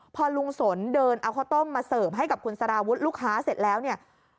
พอลุงสนเดินเอาข้าวต้มมาเสิร์ฟให้กับคุณสารวุฒิลูกค้าเสร็จแล้วเนี่ย